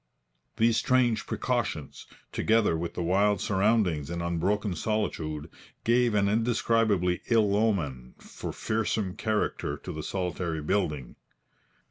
These strange precautions, together with the wild surroundings and unbroken solitude, gave an indescribably ill omen and fearsome character to the solitary building.